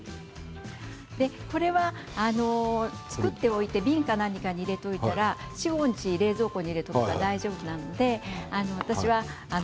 これは作っておいて瓶か何かに入れておいたら４、５日冷蔵庫でも大丈夫です。